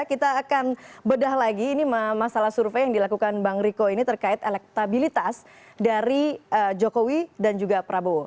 kita akan bedah lagi ini masalah survei yang dilakukan bang riko ini terkait elektabilitas dari jokowi dan juga prabowo